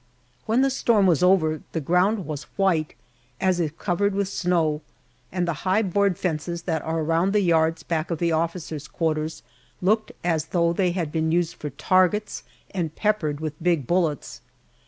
When the storm was over the ground was white, as if covered with snow, and the high board fences that are around the yards back of the officers' quarters looked as though they had been used for targets and peppered with big bullets.